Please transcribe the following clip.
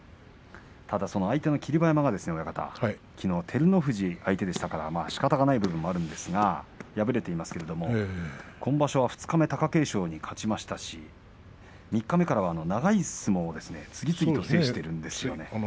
ただその相手の霧馬山がきのう照ノ富士相手でしたからしかたがありませんが敗れていますが今場所は二日目貴景勝に勝ちましたし三日目からは長い相撲を次々に制しています。